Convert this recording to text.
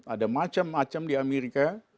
ada macem macem di amerika